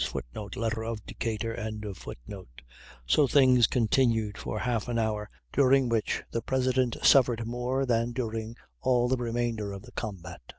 [Footnote: Letter of Decatur.] So things continued for half an hour during which the President suffered more than during all the remainder of the combat.